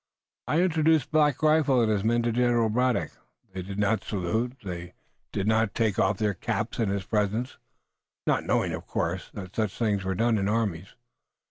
I introduced Black Rifle and his men to General Braddock. They did not salute. They did not take off their caps in his presence, not knowing, of course, that such things were done in armies.